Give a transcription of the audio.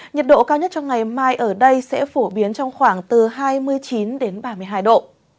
nhiệt độ cao nhất trong ngày mai ở đây sẽ phổ biến trong khoảng từ hai mươi chín đến ba mươi hai độ